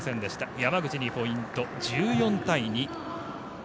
山口にポイント、１４対２。